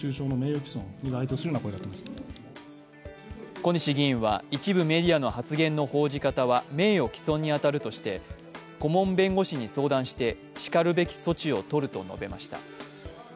小西議員は一部メディアの発言の報じ方は名誉毀損に当たるとして顧問弁護士に相談してしかるべき措置を取ると述べました。